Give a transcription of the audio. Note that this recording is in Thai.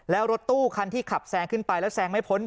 แล้วรถตู้คันที่ขับแซงขึ้นไปแล้วแซงไม่พ้น